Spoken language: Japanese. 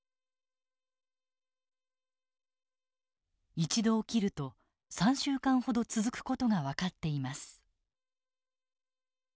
一度起きると３週間ほど続く事が分かっています。